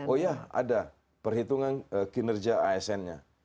oh ya ada perhitungan kinerja asn nya